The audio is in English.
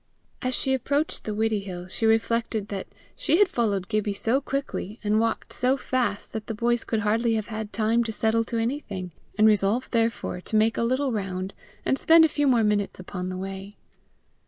As she approached the Widdiehill, she reflected that she had followed Gibbie so quickly, and walked so fast, that the boys could hardly have had time to settle to anything, and resolved therefore to make a little round and spend a few more minutes upon the way.